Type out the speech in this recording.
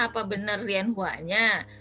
apa benar lian hua nya